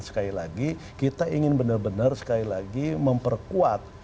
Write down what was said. sekali lagi kita ingin benar benar sekali lagi memperkuat